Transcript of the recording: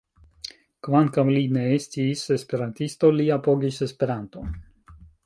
Kvankam li ne estis esperantisto, li apogis Esperanton.